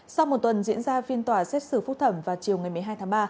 sau một tuần diễn ra phiên tòa xét xử phúc thẩm vào chiều ngày một mươi hai tháng ba